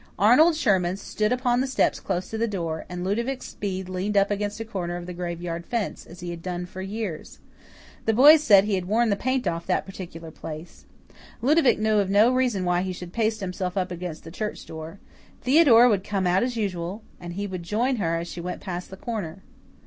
Arnold Sherman stood upon the steps close to the door, and Ludovic Speed leaned up against a corner of the graveyard fence, as he had done for years. The boys said he had worn the paint off that particular place. Ludovic knew of no reason why he should paste himself up against the church door. Theodora would come out as usual, and he would join her as she went past the corner.